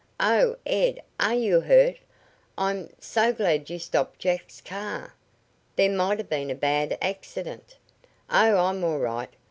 "Oh, Ed, are you hurt? I'm so glad you stopped Jack's car. There might have been a bad accident." "Oh, I'm all right.